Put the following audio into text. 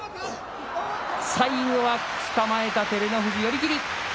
最後はつかまえた照ノ富士、寄り切り。